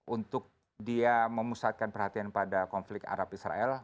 untuk dia memusatkan perhatian pada konflik arab israel